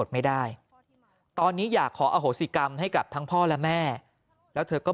ไม่ได้ตอนนี้อยากขออโหสิกรรมให้กับทั้งพ่อและแม่แล้วเธอก็